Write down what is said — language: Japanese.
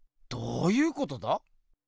どういうことだ？